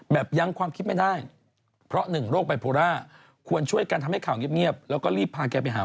ยังความคิดไม่ได้เพราะหนึ่งโรคไบโพล่าควรช่วยกันทำให้ข่าวเงียบแล้วก็รีบพาแกไปหา